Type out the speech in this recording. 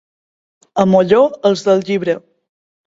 A Molló, els del llibre.